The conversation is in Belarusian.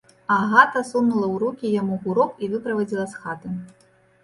Агата сунула ў рукі яму гурок і выправадзіла з хаты.